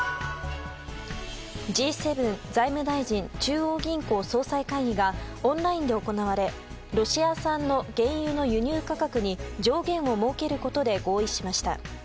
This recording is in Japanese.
Ｇ７・財務大臣・中央銀行総裁会議がオンラインで行われロシア産の原油の輸入価格に上限を設けることで合意しました。